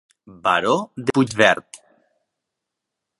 Baró de Puigverd.